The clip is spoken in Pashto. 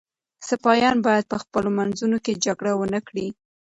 سپایان باید په خپلو منځونو کي جګړه ونه کړي.